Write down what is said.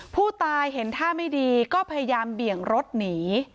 ผู้ตายเห็นท่าไม่ดีก็พยายามเบี่ยงรถหนี